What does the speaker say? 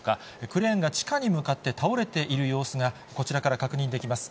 クレーンが地下に向かって倒れている様子が、こちらから確認できます。